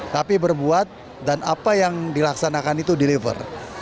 tapi berbuat dan apa yang dilaksanakan itu deliver